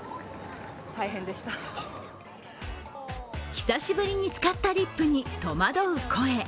久しぶりに使ったリップに戸惑う声。